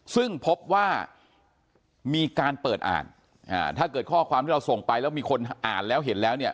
ซึ่งพบว่ามีการเปิดอ่านอ่าถ้าเกิดข้อความที่เราส่งไปแล้วมีคนอ่านแล้วเห็นแล้วเนี่ย